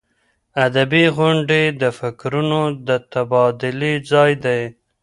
ادبي غونډې د فکرونو د تبادلې ځای دی.